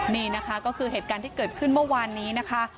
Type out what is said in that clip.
นี่นะคะก็คือเหตุการณ์ที่เกิดขึ้นเมื่อวานนี้นะคะ